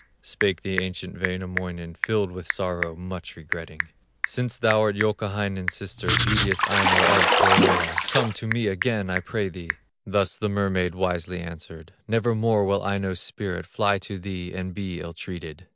Spake the ancient Wainamoinen:, Filled with sorrow, much regretting: "Since thou'rt Youkahainen's sister, Beauteous Aino of Pohyola, Come to me again I pray thee!" Thus the mermaid wisely answered: "Nevermore will Aino's spirit Fly to thee and be ill treated."